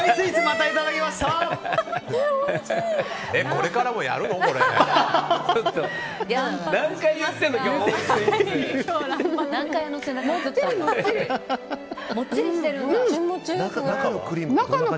これからもやるの？